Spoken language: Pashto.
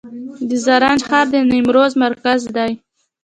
د زرنج ښار د نیمروز مرکز دی